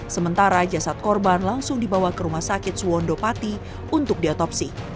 sementara jasad korban langsung dibawa ke rumah sakit suwondo pati untuk diotopsi